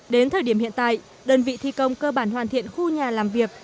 đến thời điểm hiện tại đơn vị thi công cơ bản hoàn thiện khu nhà làm việc